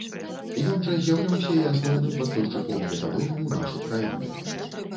Ён жа з'яўляўся і асноўным пастаўшчыком метадону ў нашу краіну.